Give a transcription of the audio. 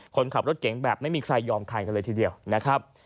คนขับรถเก๋งแบบไม่มีใครยอมใครกันเลยทีเดียวนะครับ